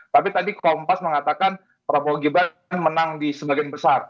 tapi tadi kompas mengatakan prabowo gibran menang di sebagian besar